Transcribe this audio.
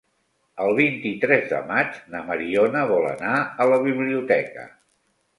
El vint-i-tres de maig na Mariona vol anar a la biblioteca.